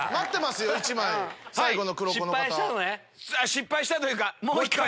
失敗したというか。